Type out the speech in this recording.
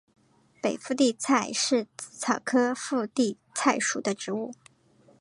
北附地菜是紫草科附地菜属的植物。